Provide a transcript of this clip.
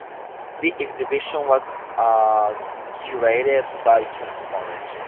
The exhibition was curated by Tom Smart.